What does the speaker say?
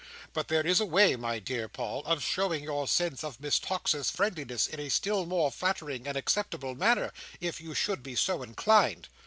But there is a way, my dear Paul, of showing your sense of Miss Tox's friendliness in a still more flattering and acceptable manner, if you should be so inclined."